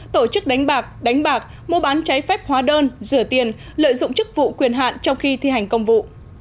tổ chức đánh bạc đánh bạc mua bán trái phép hóa đơn rửa tiền lợi dụng chức vụ quyền hạn trong khi thi hành công vụ